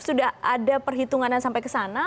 sudah ada perhitungan yang sampai kesana